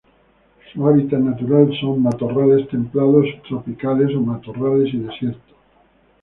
Su hábitat natural son: matorrales templados, subtropicales o matorrales y desiertos.